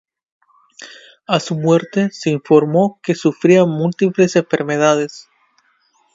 A su muerte, se informó que sufría múltiples enfermedades.